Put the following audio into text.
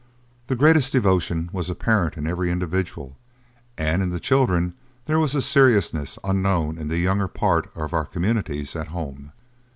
The greatest devotion was apparent in every individual; and in the children there was a seriousness unknown in the younger part of our communities at home.